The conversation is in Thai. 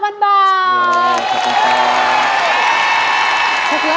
ขอบคุณครับ